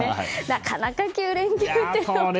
なかなか９連休は。